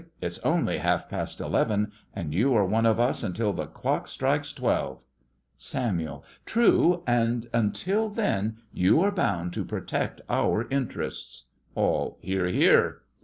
It's only half past eleven, and you are one of us until the clock strikes twelve. SAMUEL: True, and until then you are bound to protect our interests. ALL: Hear, hear!